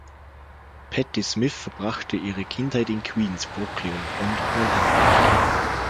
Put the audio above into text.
Patty Smyth verbrachte ihre Kindheit in Queens, Brooklyn und Manhattan.